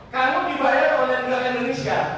kamu dibayar oleh negara indonesia